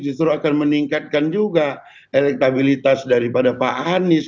justru akan meningkatkan juga elektabilitas daripada pak anies